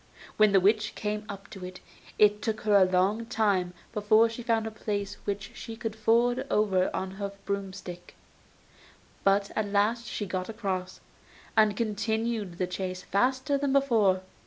When the witch came up to it, it took her a long time before she found a place which she could ford over on her broom stick; but at last she got across, and continued the chase faster than before.